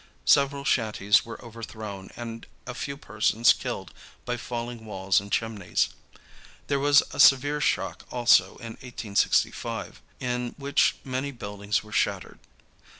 Several shanties were overthrown and a few persons killed by falling walls and chimneys. There was a severe shock also in 1865, in which many buildings were shattered.